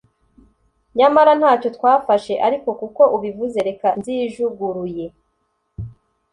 nyamara ntacyo twafashe; ariko kuko ubivuze reka nzijuguruye."